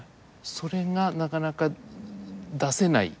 それがなかなか出せない。